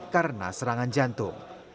karena serangan jantung